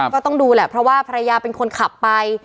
ก็ต้องดูแหละเพราะว่าภรรยาเป็นคนขับไป